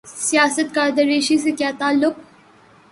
سیاست کا درویشی سے کیا تعلق؟